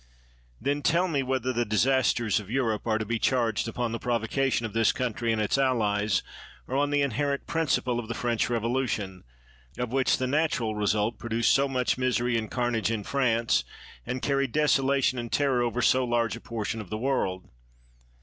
Then tell me, whether the disasters of Europe are to be charged upon the provocation of this country and its allies, or on the inherent prin ciple of the French Revolution, of which the natural result produced so much misery and carnage in France and carried desolation and terror over so large a portion of the world.